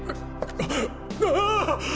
ああ！